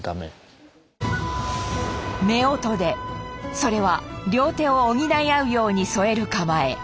それは両手を補い合うように添える構え。